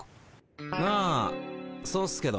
あそうっすけど。